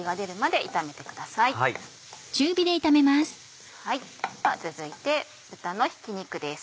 では続いて豚のひき肉です。